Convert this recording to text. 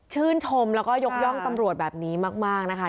ชื่นชมแล้วก็ยกย่องตำรวจแบบนี้มากนะคะ